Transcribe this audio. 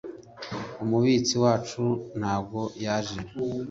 umubitsi wacu ntago yaje